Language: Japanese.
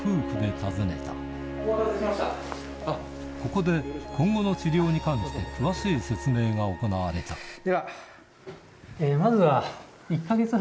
ここで今後の治療に関して詳しい説明が行われたでは。